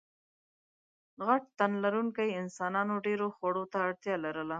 غټ تنلرونکو انسانانو ډېرو خوړو ته اړتیا لرله.